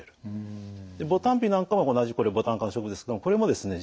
牡丹皮なんかも同じこれボタン科の植物ですけどもこれもですね